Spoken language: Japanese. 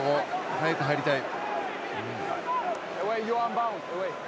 早く入りたい。